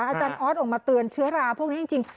อาจารย์ออสออกมาเตือนเชื้อราพวกนี้จริง